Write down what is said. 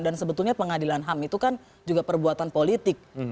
dan sebetulnya pengadilan ham itu kan juga perbuatan politik